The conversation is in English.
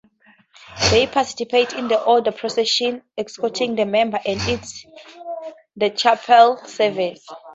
They participate in the Order's processions, escorting the members, and in the chapel services.